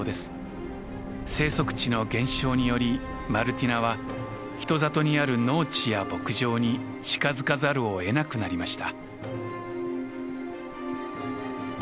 生息地の減少によりマルティナは人里にある農地や牧場に近づかざるを得なくなりました。